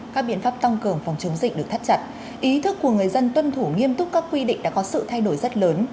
các biện pháp tăng cường phòng chống dịch được thắt chặt ý thức của người dân tuân thủ nghiêm túc các quy định đã có sự thay đổi rất lớn